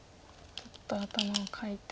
ちょっと頭をかいてますが。